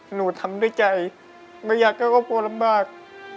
หนูทำด้วยใจไม่อยากให้ครอบครัวลำบาก